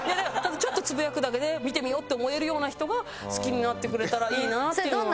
ちょっとつぶやくだけで見てみようって思えるような人が好きになってくれたらいいなっていうのは。